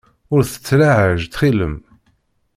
Ur tettlaɛaj ttxil-m.